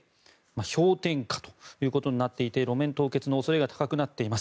氷点下ということになっていて路面凍結の恐れが高くなっています。